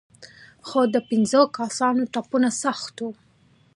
خو د پنځو کسانو ټپونه سخت وو.